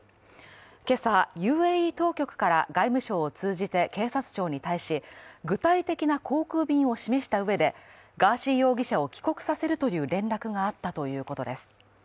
今朝ＵＡＥ当局から外務省を通じて検察庁に対し、具体的な航空便を示したうえで、ガーシー容疑者を帰国させるという連絡があったということです。